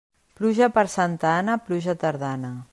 Pluja per Santa Anna, pluja tardana.